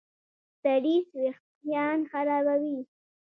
سټرېس وېښتيان خرابوي.